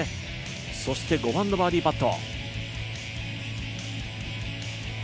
そして５番のバーディーパット。